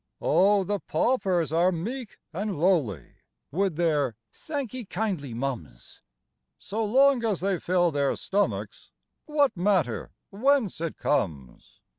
Oh, the paupers are meek and lowly With their " Thank 'ee kindly, mum's"; So long as they fill their stomachs, What matter it whence it comes